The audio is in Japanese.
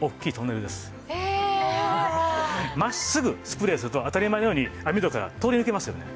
真っすぐスプレーすると当たり前のように網戸から通り抜けますよね。